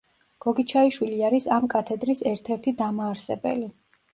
გოგიჩაიშვილი არის ამ კათედრის ერთ-ერთი დამაარსებელი.